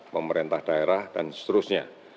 pemerintah daerah dan seterusnya